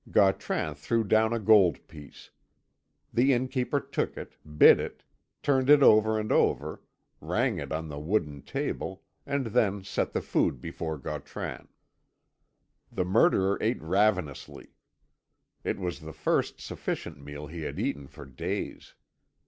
Gautran threw down a gold piece. The innkeeper took it, bit it, turned it over and over, rang it on the wooden table, and then set the food before Gautran. The murderer ate ravenously; it was the first sufficient meal he had eaten for days.